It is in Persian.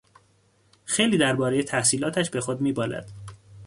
خیلی دربارهی تحصیلاتش به خود میبالد.